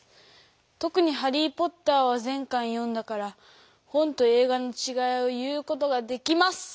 とくに「ハリー・ポッター」はぜんかん読んだから本とえい画のちがいを言うことができます！